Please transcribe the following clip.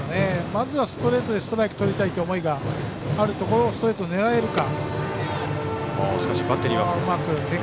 まずはストレートでストライクをとりたいという思いがあるところストレートを狙えるか。